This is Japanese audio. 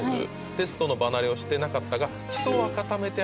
「テストの場慣れをしてなかったが」